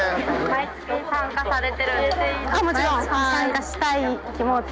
毎月参加したい気持ち。